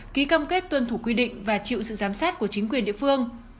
ký cam kết tuân thủ quy định và chịu sự giám sát của chính quyền địa phương